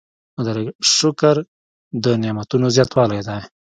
شکر د نعمتونو زیاتوالی دی.